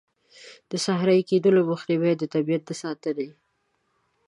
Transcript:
د صحرایې کیدلو مخنیوی، د طبیعیت د ساتنې.